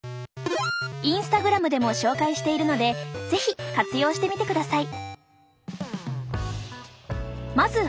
インスタグラムでも紹介しているので是非活用してみてください。